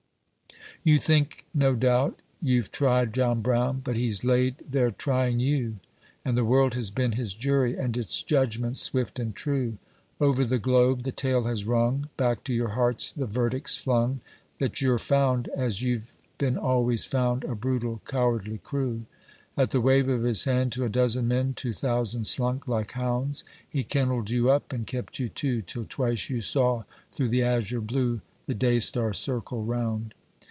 G9 You think, no doubt, you 've tried John Brown, but he 's laid there trying you, And the world has been his jury, and its judgment 's swift and true: Over the globe the tale has rung, back to your hearts the verdict's flung, That you're found, as you've been always found, a brutal, cowardly crew ! At the wave of his hand to a dozen men, two thousand slunk like hounds ; Ho kennelled you up, and kept you too, till twice you saw through the azure blue, The day star circle round.